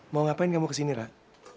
mau ngapain kamu kesini rah